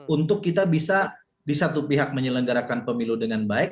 untuk kita bisa di satu pihak menyelenggarakan pemilu dengan baik